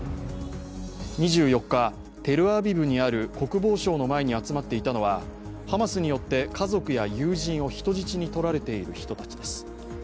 ２４日、テルアビブにある国防省の前に集まっていたのは、ハマスによって家族や友人を人質に取られている人たちです。